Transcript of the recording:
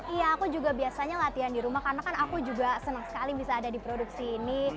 iya aku juga biasanya latihan di rumah karena kan aku juga senang sekali bisa ada di produksi ini